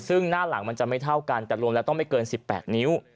ซึ่งหน้าหลังมันจะไม่เท่ากันแต่รวมแล้วต้องไม่เกิน๑๘นิ้ว